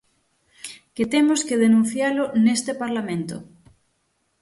¡Que temos que denuncialo neste parlamento!